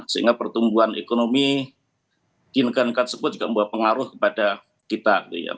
sehingga pertumbuhan ekonomi di negara negara tersebut juga membuat pengaruh kepada kita gitu ya